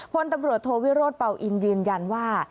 พลตำรวจโทวิโรธเป่าอินยืนยันว่า